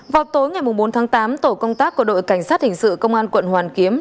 vào tối ngày bốn tháng tám tổ công tác của đội cảnh sát hình sự công an quận hoàn kiếm